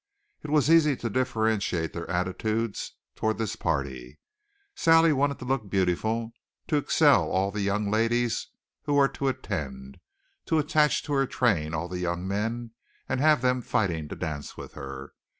It was easy to differentiate their attitudes toward this party. Sally wanted to look beautiful, to excell all the young ladies who were to attend, to attach to her train all the young men, and have them fighting to dance with her.